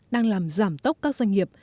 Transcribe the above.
đang làm giảm tốc các doanh nghiệp